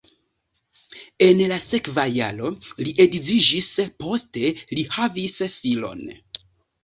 En la sekva jaro li edziĝis, poste li havis filon.